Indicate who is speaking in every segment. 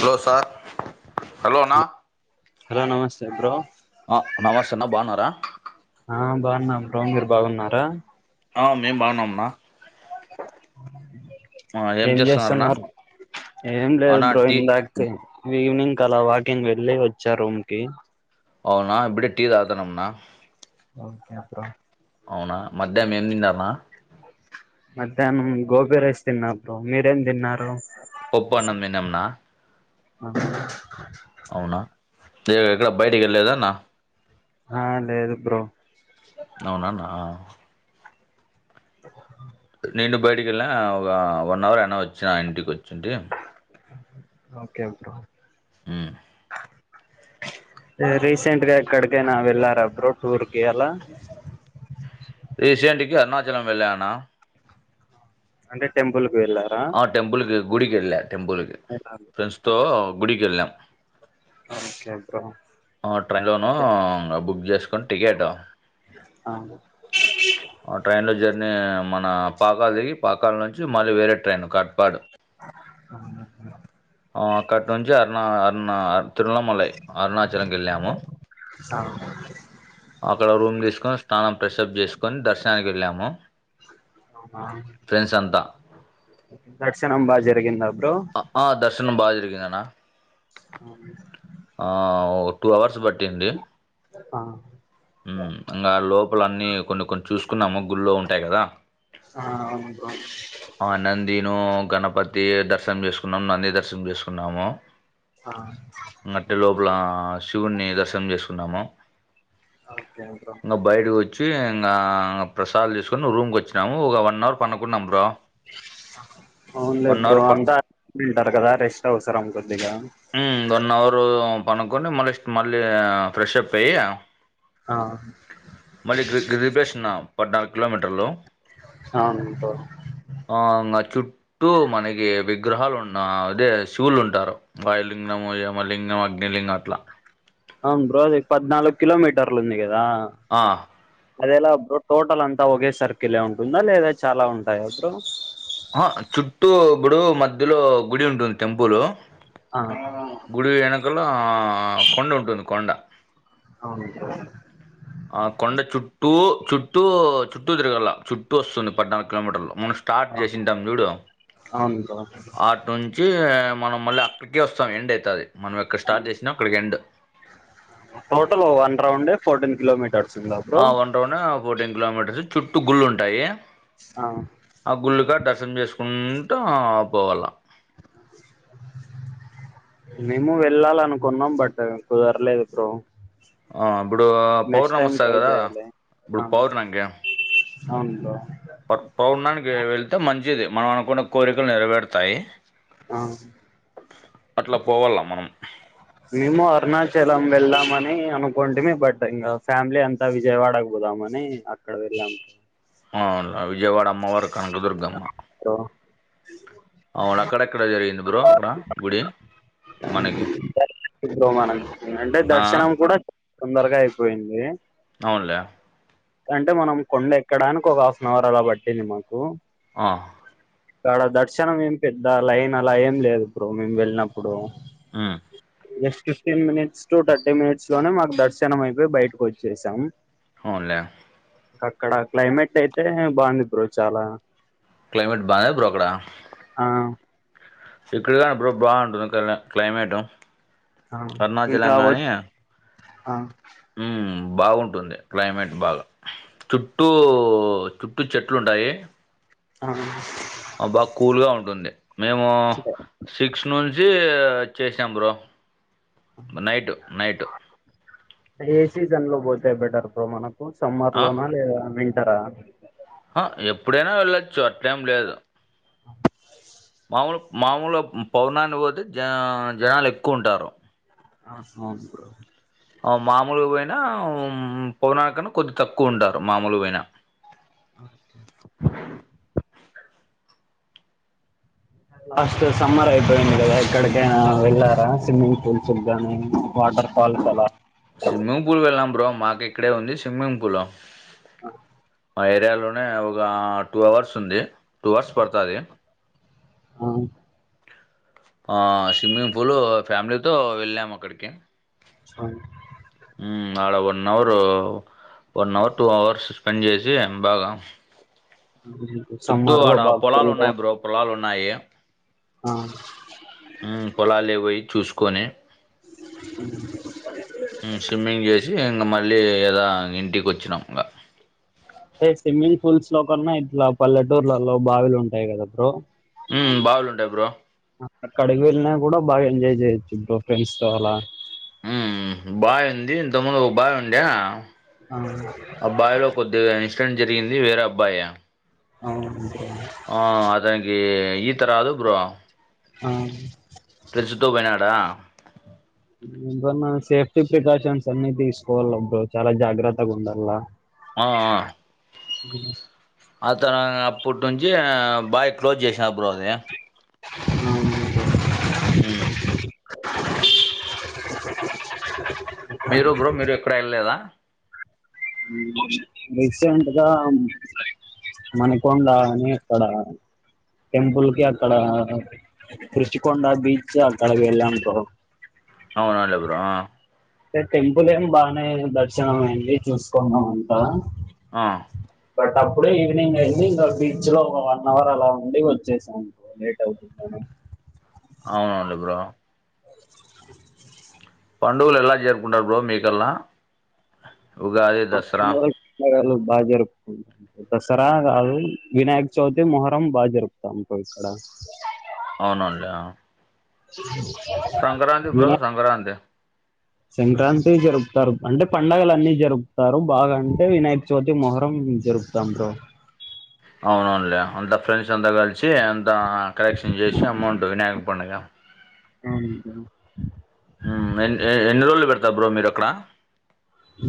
Speaker 1: dosa hello నా
Speaker 2: hello నమస్తే bro
Speaker 1: ఆ నమస్తే అన్నా బాన్నరా
Speaker 2: ఆ బాగున్నాం బ్రో మీరు బాగున్నారా
Speaker 1: ఆ మేం బాగున్నాం నా
Speaker 2: ఏం జేస్తున్నారు
Speaker 1: అవునా టీ
Speaker 2: ఈవినింగ్ కి అలా వాకింగ్ వెళ్లి వచ్చా రూమ్ కి
Speaker 1: అవునా ఇబ్బుడే టీ తాగతన్నాం నా
Speaker 2: ఓకే బ్రో
Speaker 1: అవునా మధ్యానం ఏం తిన్నారునా
Speaker 2: మధ్యానం గోబి రైస్ తిన్నాబ్రో మీరెం తిన్నారు
Speaker 1: పప్పు అన్నం తిన్నాం నా
Speaker 2: ఆ
Speaker 1: అవునా తే ఎక్కడ బయటికి వెల్లేదా అన్నా
Speaker 2: ఆ లేదు బ్రో
Speaker 1: అవునన్న ఆ
Speaker 2: ఆ
Speaker 1: నేను బయటికి వెళ్ళా ఒగ వన్ అవర్ అయినా వచ్చినా ఇంటికి వచ్చింటి
Speaker 2: ఓకే బ్రో
Speaker 1: మ్మ్
Speaker 2: రీసెంట్గా ఎక్కడికైనా వెళ్ళారా బ్రో టూర్కి అలా
Speaker 1: రీసేంటికి అరుణాచలం వెళ్ళనన్నా
Speaker 2: అంటే టెంపుల్ కి వెళ్ళారా
Speaker 1: టెంపుల్ కి గుడికి వెళ్ళా టెంపుల్కి ఫ్రెండ్స్ తో గుడికి వెళ్ళాం
Speaker 2: ఓకే బ్రో
Speaker 1: ఆ ట్రైన్లోను ఇంగ బుక్ చేసుకుని టికెట్
Speaker 2: ఆ
Speaker 1: ఆ ట్రైన్లో జర్నీ మన పాకాలు దిగి పాకాల నుంచి మళ్ళీ వేరే ట్రైన్ కట్పాడు
Speaker 2: ఆహా
Speaker 1: ఆ అక్కటి నుంచి అరుణ అరుణ తిరువనమలై అరుణాచలంకి వెళ్ళాము ఆ అక్కడ రూమ్ తీసుకొని స్నానం ప్రెషప్ చేసుకొని దర్శనానికి వెళ్ళాము
Speaker 2: అవునా
Speaker 1: ఫ్రెండ్స్ అంతా
Speaker 2: దర్శనం బా జరిగిందా బ్రో
Speaker 1: ఆ దర్శనం బాగ జరిగిందనా
Speaker 2: ఆ
Speaker 1: ఆ ఓ టూ అవర్స్ బట్టింది
Speaker 2: ఆ
Speaker 1: మ్మ్ ఇంగా లోపల అన్ని కొన్ని కొన్ని చూసుకున్నాము గుళ్ళో ఉంటాయి గదా
Speaker 2: ఆ అవును బ్రో
Speaker 1: ఆ నందిను గణపతి దర్శనం చేసుకున్నాము నంది దర్శనం చేసుకున్నాము
Speaker 2: ఆ
Speaker 1: ఇంగట్లే లోపల శివుణ్ణి దర్శనం చేసుకున్నాము
Speaker 2: ఓకె బ్రో
Speaker 1: ఇంగ బయటకి వచ్చి ఇంగా ప్రసాదాలు తీసుకొని రూమ్ కి వచ్చినాము ఒగ వన్ అవర్ పనుకున్నాం బ్రో
Speaker 2: అవునులే
Speaker 1: వన్
Speaker 2: బ్రో
Speaker 1: అవర్ ప
Speaker 2: అంతా [inaudible] టారు కదా రెస్ట్ అవసరం కొద్దిగా
Speaker 1: ఉమ్మ్ వన్ అవరు పనుకొని మళ్ళ ఇస్ట్ మళ్ళీ ఫ్రెష్ప్ పెయి
Speaker 2: ఆ
Speaker 1: మళ్ళీ గిరి గిరి ప్రదక్షిణ పద్నాలుగు కిలోమీటర్లు
Speaker 2: అవును బ్రో
Speaker 1: ఆ ఇంగ చుట్టూ మనకి విగ్రహాలు ఉన్నా అదే శివుళ్ళు ఉంటారు వాయులింగము యమలింగము అగ్నిలింగ అట్లా
Speaker 2: అవును బ్రో అది పద్నాలుగు కిలోమీటర్లు ఉంది కదా
Speaker 1: ఆ
Speaker 2: అదెలా బ్రో టోటల్ అంతా ఒకే సర్కిలే ఉంటుందా లేదా చాలా ఉంటాయా బ్రో
Speaker 1: ఆహ‌ చుట్టూ ఇప్పుడు మధ్యలో గుడి ఉంటుంది టెంపులు
Speaker 2: ఆ
Speaker 1: గుడి ఎనుకల్ల కొండ ఉంటుంది కొండ
Speaker 2: అవును బ్రో
Speaker 1: ఆ కొండ చుట్టూ చుట్టూ చుట్టూ తిరగల చుట్టూ వస్తుంది పద్నాలుగు కిలోమీటర్లు మన స్టార్ట్
Speaker 2: ఆ
Speaker 1: చేసింటాం చూడు
Speaker 2: అవును బ్రో
Speaker 1: అ టునుంచి మనం మళ్ళీ అక్కడికే వస్తాం ఎండ్ అయితది మనం ఎక్కడ స్టార్ట్ చేసినం అక్కడికి ఎండ్
Speaker 2: టోటల్ వన్ రౌండే ఫోర్టీన్ కిలోమీటర్
Speaker 1: ఆ వన్ రౌండే ఫోర్టీన్ కిలోమీటర్స్ చుట్టూ గుళ్ళు ఉంటాయి
Speaker 2: ఆ
Speaker 1: ఆ గుళ్ళు కాడ దర్శనం చేసుకుంటూ పోవల్ల
Speaker 2: మేము వెళ్ళాలనుకున్నాం బట్ కుదర్లేదు బ్రో
Speaker 1: ఆ ఇప్పుడు
Speaker 2: నెక్స్ట్
Speaker 1: పౌర్ణమి
Speaker 2: టైం
Speaker 1: వస్తాది
Speaker 2: ట్రై
Speaker 1: కదా
Speaker 2: చేయాలి ఆ
Speaker 1: ఇప్పుడు పౌర్ణమికి
Speaker 2: అవును బ్రో
Speaker 1: బట్ పౌర్ణానికి వెళ్తే మంచిది మనం అనుకున్న కోరికలు నెరవేరుతాయి
Speaker 2: ఆ
Speaker 1: అట్లా పోవాల మనం
Speaker 2: మేము అరుణాచలం వెళ్దామని అనుకుంటిమి బట్ ఇంగ ఫ్యామిలీ అం త విజయవాడకు పోదామని అక్కడ వెళ్ళాం
Speaker 1: అవున్లే విజయవాడ అమ్మ వారు కనకదుర్గమ్మ
Speaker 2: లో
Speaker 1: అవును అక్కడెక్కడ జరిగింది బ్రో అక్కడ గుడి మనకి
Speaker 2: జరిగింది బ్రో మనం అంటే
Speaker 1: ఆ
Speaker 2: దర్శనం కూడా తొందరగా అయిపోయింది
Speaker 1: అవున్లే
Speaker 2: అంటే మనం కొండ ఎక్కడానికి ఒక హాఫ్ అన్ అవర్ అలా పట్టింది మాకు
Speaker 1: ఆ
Speaker 2: అక్కడ దర్శనం ఏం పెద్ద లైన్ అలా ఏం లేదు బ్రో మేమ్ వెళ్ళినప్పుడు
Speaker 1: ఉమ్మ్
Speaker 2: just fifteen minutes to thirty minutes లోనే మాకు దర్శనం అయిపోయి బయటకు వచ్చేసాం
Speaker 1: అవున్లే
Speaker 2: ఇంక అక్కడ క్లైమేట్ అయితే బాగుంది బ్రో చాలా
Speaker 1: క్లైమేట్ బాగుందా బ్రో అక్కడ
Speaker 2: ఆ
Speaker 1: ఇక్కడ కానీ బ్రో బాగుంటది క్ల క్లైమేటు
Speaker 2: ఆ ఇంకా వ ఆ
Speaker 1: ఉమ్మ్ బాగుంటుంది క్లైమేట్ బాగా చుట్టూ చుట్టూ చెట్లు ఉంటాయి
Speaker 2: ఆ
Speaker 1: అబ్బా కూల్ గా ఉంటుంది మేము సిక్స్ నుంచి చేసాం బ్రో నైటు నైటు
Speaker 2: ఏ సిజన్లో బోతే బెటర్ మనకు కు సమ్మర్
Speaker 1: ఆ
Speaker 2: లోనా లేదా వింటరా
Speaker 1: ఆ ఎప్పుడైనా వెళ్ళొచ్చు అట్లెం లేదు మామూలు మామూలు పౌర్ణానికి పోతే జ జనాలు ఎక్కువ ఉంటారు
Speaker 2: [unintelligible]
Speaker 1: ఆ మామూలుగా పోయిన పౌర్ణాణికన్న కొద్ది తక్కువ ఉంటారు మామూలు పోయిన
Speaker 2: అస్ట్ సమ్మర్ అయిపోయింది కదా ఎక్కడికి అయిన వెళ్ళారా స్విమ్మింగ్ పూల్స్ కి గాని వాటర్ ఫాల్స్ అలా
Speaker 1: స్విమ్మింగ్ పూల్ వెళ్ళాం బ్రో మాకు ఇక్కడే ఉంది స్విమ్మింగ్ పూలు
Speaker 2: అవున
Speaker 1: మా ఏరియాలోనే ఒక టూ అవర్స్ ఉంది టూ అవర్స్ పడతాది
Speaker 2: అవున్
Speaker 1: ఆ స్విమ్మింగ్ పూలు ఫ్యామిలీతో వెళ్ళాము అక్కడికి
Speaker 2: అవున్
Speaker 1: మ్మ్ ఆడ one hour one hour two hours పని చేేసి బాగా
Speaker 2: [unintelligible]
Speaker 1: చుట్టూ
Speaker 2: లో
Speaker 1: ఆడ
Speaker 2: బాగా
Speaker 1: పొలాలు
Speaker 2: కూల్ గా
Speaker 1: ఉన్నాయి బ్రో పొలాలు ఉన్నాయి
Speaker 2: ఆ
Speaker 1: మ్మ్ పొలాల్లోకి పొయ్యి చూసుకొని మ్మ్ స్విమ్మింగ్ చేసి ఇంగ మళ్ళీ ఏదో ఇంటికి వచ్చినాం ఇంకా
Speaker 2: అంటే స్విమ్మింగ్ పూల్స్ లో కన్నా ఇట్లా పల్లెటూర్లలో బావిలు ఉంటాయి కదా బ్రో
Speaker 1: మ్మ్ బావులు ఉంటాయి బ్రో
Speaker 2: ఆ అక్కడికి వెళ్ళినా కూడా బా ఎంజాయ్ చేయొచ్చు బ్రో ఫ్రెండ్స్ తో అలా
Speaker 1: మ్మ్ బావి ఉంది ఇంతకుముందు ఒక బావి ఉండే
Speaker 2: అవున
Speaker 1: ఆ బావిలో కొద్దిగా ఇన్సిడెంట్ జరిగింది వేరే అబ్బాయి
Speaker 2: అవునండి
Speaker 1: ఆ అతనికి ఈత రాదు బ్రో
Speaker 2: ఆ
Speaker 1: ఫ్రెండ్స్ తో పోయినాడా
Speaker 2: ఎంటివన్న సేఫ్టీ ప్రికాషన్స్ అన్ని తీసుకోవాల బ్రో చాలా జాగ్రత్తగా ఉండల్ల
Speaker 1: ఆ ఆ అతర అప్పుట్ నుంచి బాయ్ క్లోజ్ చేసినారు బ్రో అది
Speaker 2: అవున
Speaker 1: మ్మ్ మీరు బ్రో మీరు ఎక్కడ వెళ్ళలేదా
Speaker 2: రీసెంట్గా మనకొండ అని అక్కడ టెంపుల్ కి అక్కడ రుషికొండ బీచ్ అక్కడకి వెళ్ళాం బ్రో
Speaker 1: అవునలే బ్రో
Speaker 2: ఏ టెంపుల్ ఏం బాగానే దర్శనం అయింది చూసుకున్నాం అంతా
Speaker 1: ఆ
Speaker 2: బట్ అప్పుడే ఈవినింగ్ అయింది ఇంగా బీచ్ లో ఒక వన్ అవర్ అలా ఉండి వచ్చేసాము లేట్ అవుతుంది గదా
Speaker 1: అవునండి బ్రో పండుగలు ఎలా జరుపుకుంటారు బ్రో మీకల్లా ఉగాది దసరా
Speaker 2: మా ఊర్లో బా జరుపుకుంటారు దసరా గాదు వినాయక చవితి మొహరం బా జరుపుతాం బ్రొ ఇక్కడ
Speaker 1: అవునవును లే ఆ
Speaker 2: [unintelligible]
Speaker 1: సంక్రాంతి బ్రో
Speaker 2: వినాయక
Speaker 1: సంక్రాంతి
Speaker 2: సంక్రాంతి జరుపుతారు అంటే పండుగలన్నీ జరుపుతారు బాగా అంటే వినాయక చవితి మొహరం జరుపుత తందూర్
Speaker 1: అవునవునులే అంతా ఫ్రెండ్స్ అంతా కలిసి అంతా కలెక్షన్ చేసి అమౌంట్ వినాయక పండుగ
Speaker 2: అవును బ్రో
Speaker 1: మ్మ్ ఎన్ని ఎన్ని రోజులు పెడతారు బ్రో మీరక్కడ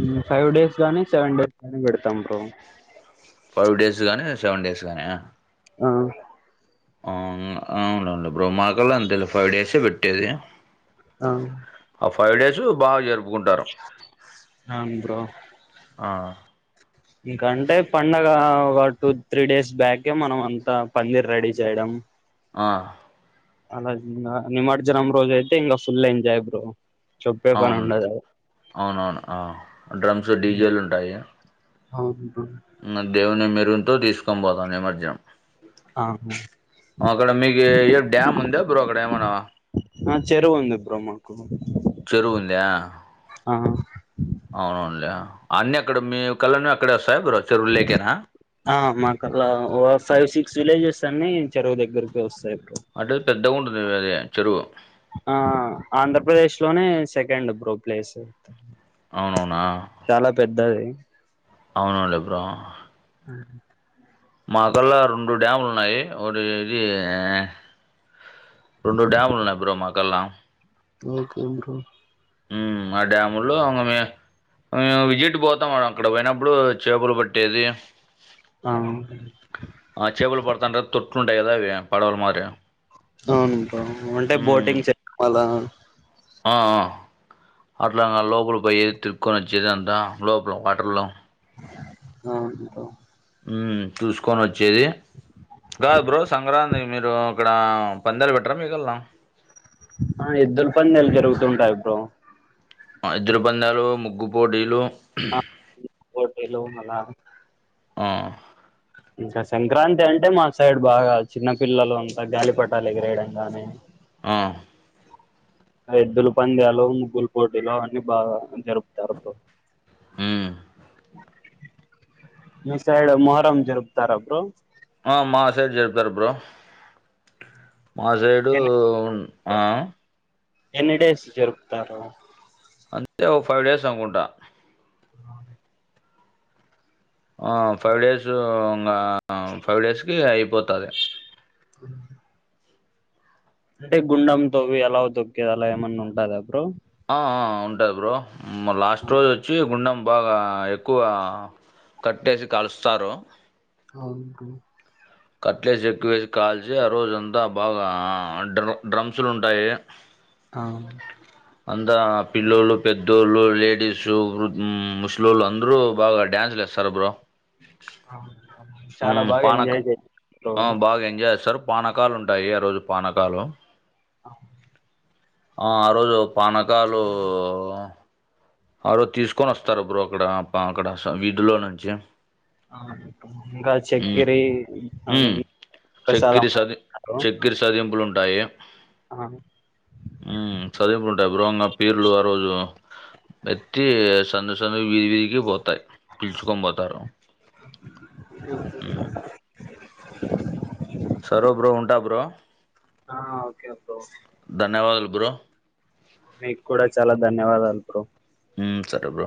Speaker 2: మ్మ్ ఫైవ్ డేస్ గాని సెవెన్ డేస్ గానీ పెడతాం బ్రో
Speaker 1: ఫైవ్ డేస్ గానీ సెవెన్ డేస్ గానీయా
Speaker 2: ఆ
Speaker 1: ఆ అవునవును లే బ్రో మాకళ్ళంతేలే ఫైవ్ డేసే పెట్టేది
Speaker 2: అవును
Speaker 1: ఆ ఫైవ్ డేసు బాగా జరుపుకుంటారు
Speaker 2: అవును బ్రో
Speaker 1: ఆ
Speaker 2: ఇంకంటే పండగ ఒగ టూ త్రీ డేస్ బ్యాకే మనం అంతా పందిర్ రెడీ చేయడం
Speaker 1: ఆ
Speaker 2: అలా నిమర్జనం రోజయితే ఇంగా ఫుల్ ఎంజాయ్ బ్రో చెప్పే పని
Speaker 1: అవును
Speaker 2: ఉండదు
Speaker 1: అవునవును డ్రమ్స్ డీజేలుంటాయి
Speaker 2: అవును బ్రో
Speaker 1: ఇంగ దేవుని మెరుగుతో తీసుకొని పోతాం నిమర్జనం
Speaker 2: ఆ
Speaker 1: అక్కడ మీకు ఏ డ్యామ్ ఉందా బ్రో అక్కడ ఏమనా
Speaker 2: ఆ చెరువుంది బ్రో మాకు
Speaker 1: చెరువుందా
Speaker 2: ఆ
Speaker 1: అవున్లే అన్నీ అక్కడ మీకళ్ళనే అక్కడే వస్తాయి బ్రో చెరువులేకేనా
Speaker 2: ఆ మాకల్లా ఓ ఫైవ్ సిక్స్ విలేజెస్ అన్ని చెరువు దగ్గరకి వస్తాయి బ్రో
Speaker 1: అట్లయితే పెద్దగా ఉంటుంది మీది చెరువు
Speaker 2: ఆ ఆంధ్రప్రదేశ్ లోనే సెకండ్ బ్రో ప్లేసు
Speaker 1: అవునవునా
Speaker 2: చాలా పెద్దది
Speaker 1: అవునవును లే బ్రో
Speaker 2: అహ్
Speaker 1: మా కల్లా రెండు డ్యాములు ఉన్నాయి ఒకటి ఇది రెండూ డ్యాములు ఉన్నాయి బ్రో మాకల్లా
Speaker 2: ఓకే బ్రో
Speaker 1: ఉమ్మ్ అ డ్యాములో ఇంగ మే మేము విజిట్ పోతాం ఆడ అక్కడ పోయినప్పుడు చేపలు పట్టేది
Speaker 2: ఆ
Speaker 1: ఆ చేపలు పడుతంటారు తొట్లు ఉంటాయి కదా అవి పడవలు మారి
Speaker 2: అవును బ్రో అంటే బోటింగ్ చేక్ అలా
Speaker 1: ఆఆ అట్లాంగా లోపల పోయేది తిరుక్కొని వచ్చేది అంతా లోపల వాటర్లో
Speaker 2: అవున్లే బ్రో
Speaker 1: ఉమ్మ్ చూసుకొని వచ్చేది కాదు బ్రో సంక్రాంతి మీరు అక్కడ పందేలు పెట్టరా మి కళ్ళ
Speaker 2: ఆ ఎద్దులు పందెలు జరుగుతుంటాయి బ్రో
Speaker 1: ఆ ఎద్దుల పందాలు ముగ్గుపోటీలు
Speaker 2: ఆ ముగ్గు పోటీలు మల్ల
Speaker 1: ఆ
Speaker 2: ఇంకా సంక్రాంతి అంటే మా సైడ్ బాగా చిన్నపిల్లలు అంతా గాలిపటాలు ఎగిరేయడం గానీ
Speaker 1: ఆ
Speaker 2: ఆ ఎద్దుల పంద్యాలు ముగ్గులు పోటీలు అన్నీ బాగా జరుపుతారు బ్రో
Speaker 1: ఉమ్మ్
Speaker 2: మీ సైడు మొహరం జరుపుతారా బ్రో
Speaker 1: ఆ మా సైడు జరుపుతారు బ్రో మా సైడు
Speaker 2: ఎన్ని
Speaker 1: ఆ
Speaker 2: ఎన్ని డేస్ జరుపుతారు
Speaker 1: అంతే ఒక ఫైవ్ డేస్ అనుకుంటా ఆ ఫైవ్ డేస్ ఇంగ ఫైవ్ డేస్‌కి అయిపోతాది
Speaker 2: అంటే గుండం తోవి అలవ్ తొక్కేది అలా ఏమన్నా ఉంటదా బ్రో
Speaker 1: ఆ ఆ ఉంటది బ్రో లాస్ట్ రోజు వచ్చి గుండం బాగా ఎక్కువ కట్టేసి కలుస్తారు
Speaker 2: అవును బ్రో
Speaker 1: కట్లేసి ఎక్కువేసి కాల్చి ఆ రోజంతా బాగా డ్ర డ్రమ్సులు ఉంటాయి
Speaker 2: ఆ
Speaker 1: అంతా పిల్లోళ్ళు పెద్దోళ్ళు లేడీస్ వృ ముసలోళ్ళు అందరుూ బాగా డ్యాన్సులు ఎ స్తారు బ్రో
Speaker 2: అవునా చాలా బాగా ఎంజాయ్ చే
Speaker 1: ఆ బాగా ఎంజాయ్ చేస్తారు పానకాలు ఉంటాయి ఆరోజు పానకాలు
Speaker 2: ఆ
Speaker 1: ఆ ఆరోజు పానకాలు ఆరోజు తీసుకొని వస్తారు బ్రో అక్కడ ప అక్కడ వీధులో నుంచి
Speaker 2: ఆ ఇంకా చక్కెరి
Speaker 1: ఉమ్మ్
Speaker 2: అవన్నీ ప్రసాదం
Speaker 1: చెక్కిరి సది చెక్కిరి సదివింపులు ఉంటాయి
Speaker 2: ఆ
Speaker 1: ఉమ్మ్ సదివింపులు ఉంటాయి బ్రో ఇంగ పీర్లు ఆరోజు ప్రతి సందు సందు వీధి వీధికి పోతాయి పిలుచుకని పోతారు ఉమ్ సరో బ్రో ఉంటా బ్రో
Speaker 2: ఆ ఓకే బ్రో
Speaker 1: ధన్యవాదాలు బ్రో
Speaker 2: మీకు కూడా చాలా ధన్యవాదాలు బ్రో
Speaker 1: హ్మ్మ్ సరే బ్రో